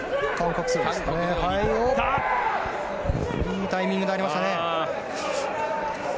いいタイミングで入りましたね。